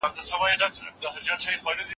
تاسو د ټولنپوهنې مطالعې ته اړتیا لرئ.